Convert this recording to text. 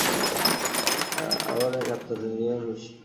আবার এক আত্মা আছেন, যিনি সর্বশ্রেষ্ঠ।